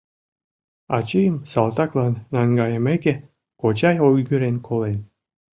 Ачийым салтаклан наҥгайымеке, кочай ойгырен колен.